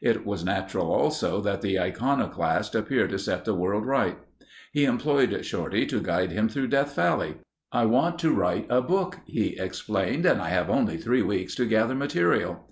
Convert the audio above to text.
It was natural also that the iconoclast appear to set the world right. He employed Shorty to guide him through Death Valley. "I want to write a book," he explained, "and I have only three weeks to gather material."